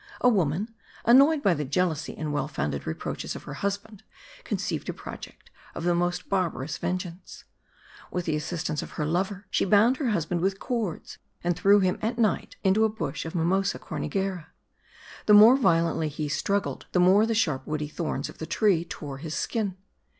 A woman, annoyed by the jealousy and well founded reproaches of her husband, conceived a project of the most barbarous vengeance. With the assistance of her lover she bound her husband with cords, and threw him, at night, into a bush of Mimosa cornigera. The more violently he struggled, the more the sharp woody thorns of the tree tore his skin.